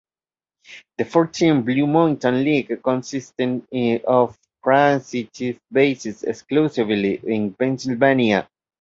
The four–team Blue Mountain League consisted of franchises based exclusively in Pennsylvania.